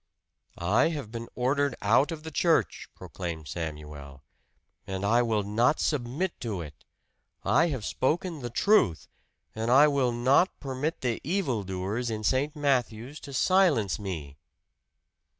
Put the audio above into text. "I have been ordered out of the church!" proclaimed Samuel. "And I will not submit to it! I have spoken the truth, and I will not permit the evil doers in St. Matthew's to silence me!"